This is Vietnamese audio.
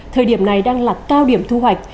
thời điểm này đang là cao điểm thu hoạch